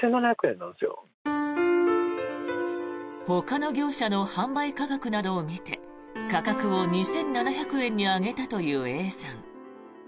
ほかの業者の販売価格などを見て価格を２７００円に上げたというＡさん。